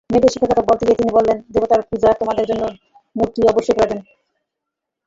মেয়েদের শিক্ষার কথা বলতে গিয়ে তিনি বললেন দেবতাদের পূজায় তোমাদের জন্য মূর্তি অবশ্যই প্রয়োজন।